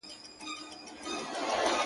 د فابريکې د پرسونل سره